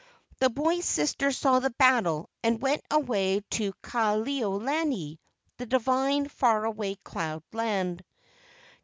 The boy's sister saw the battle and went away to Ka lewa lani (the divine far¬ away cloud land).